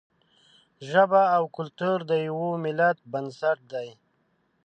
ژبه او کلتور د یوه ملت بنسټ دی.